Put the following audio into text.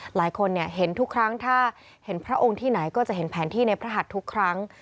หลายคนเห็นทุกครั้งถ้าเห็นพระองค์ที่ไหนก็จะเห็นแผนที่ในพระหัสทุกครั้ง